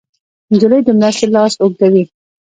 نجلۍ د مرستې لاس اوږدوي.